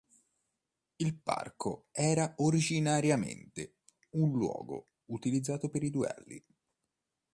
Il parco era originariamente un luogo utilizzato per i duelli.